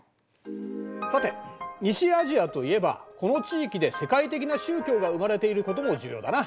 さて西アジアといえばこの地域で世界的な宗教が生まれていることも重要だな。